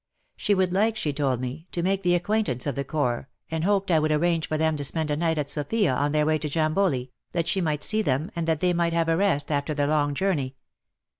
She would like, she told me, to make the acquaintance of the Corps, and hoped I would arrange for them to spend a night at Sofia on their way to Jamboli, that she might see them, and that they might have a rest after their long journey.